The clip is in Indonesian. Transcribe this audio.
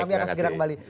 kami akan segera kembali